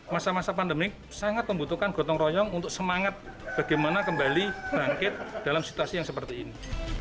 masa masa pandemik sangat membutuhkan gotong royong untuk semangat bagaimana kembali bangkit dalam situasi yang seperti ini